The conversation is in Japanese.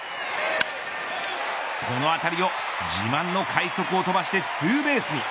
この当たりを自慢の快足を飛ばしてツーベースに。